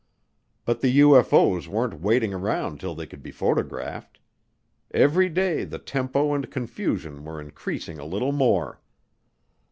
But the UFO's weren't waiting around till they could be photographed. Every day the tempo and confusion were increasing a little more.